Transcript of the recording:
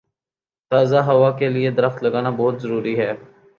تازہ ہوا کے لیے درخت لگانا بہت ضروری ہے۔